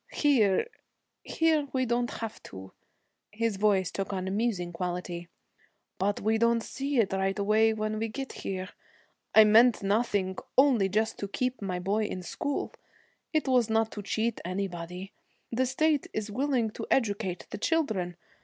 Here here we don't have to.' His voice took on a musing quality. 'But we don't see it right away when we get here. I meant nothing, only just to keep my boy in school. It was not to cheat anybody. The state is willing to educate the children.